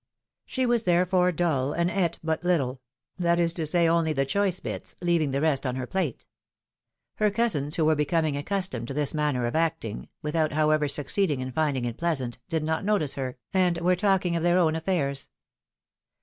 She was therefore dull, and eat but little — that is to say only the choice bits — leaving the rest on her plate. Her cousins, who were becoming accustomed to this manner of acting, without, however, succeeding in finding it pleasant, did not notice her, and were talking of their own affairs.